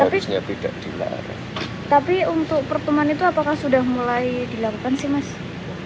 hai rizka tidak dilarang tapi untuk pertemuan itu apakah sudah mulai dilakukan sebelum